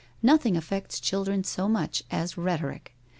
Nothing affects children so much as rhetoric.